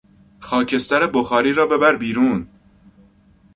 خاکستر بخاری را ببر بیرون!